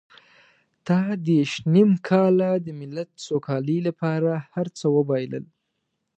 تا دېرش نيم کاله د ملت سوکالۍ لپاره هر څه وبایلل.